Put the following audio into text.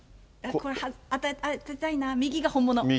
これ、当てたいな、右が本物。